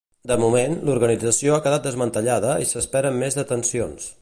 De moment, l'organització ha quedat desmantellada i s'esperen més detencions.